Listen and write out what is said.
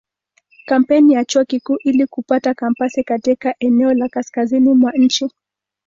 Kampeni ya Chuo Kikuu ili kupata kampasi katika eneo la kaskazini mwa nchi.